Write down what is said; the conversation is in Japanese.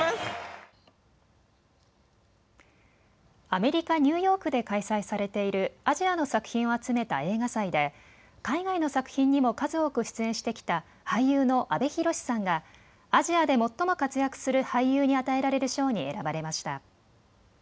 アメリカ・ニューヨークで開催されているアジアの作品を集めた映画祭で海外の作品にも数多く出演してきた俳優の阿部寛さんがアジアで最も活躍する俳優に与えられる賞に選ばれました。